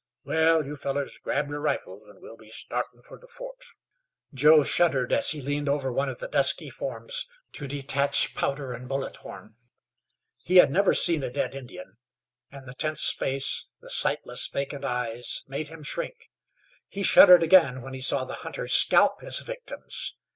Wal, you fellers grab yer rifles, an' we'll be startin' fer the fort." Joe shuddered as he leaned over one of the dusky forms to detach powder and bullet horn. He had never seen a dead Indian, and the tense face, the sightless, vacant eyes made him shrink. He shuddered again when he saw the hunter scalp his victims.